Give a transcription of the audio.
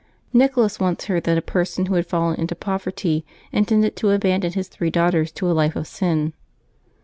Nicholas once heard that a person who had fallen into poverty intended to abandon his three daughters to a life of sin.